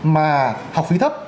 mà học phí thấp